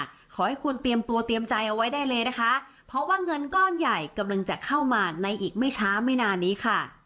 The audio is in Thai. ขอให้คุณเตรียมตัวเตรียมใจเอาไว้ได้เลยนะคะเพราะว่าเงินก้อนใหญ่กำลังจะเข้ามาในอีกไม่ช้าไม่นานนี้ค่ะ